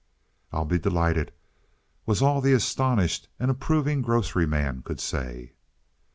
"I'll be delighted," was all the astonished and approving grocery man could say.